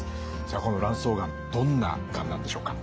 さあこの卵巣がんどんながんなんでしょうか？